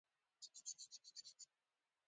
رومیان د میلمستیا یوه برخه ده